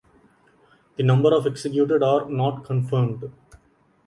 The number of executed are not confirmed.